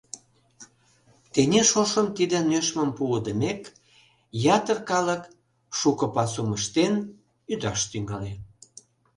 Тений шошым тиде нӧшмым пуэдымек, ятыр калык, шуко пасум ыштен, ӱдаш тӱҥале.